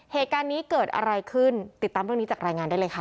เหตุการณ์นี้เกิดอะไรขึ้นติดตามเรื่องนี้จากรายงานได้เลยค่ะ